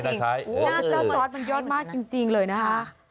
เจ้าซอสมันยอดมากจริงเลยนะคะ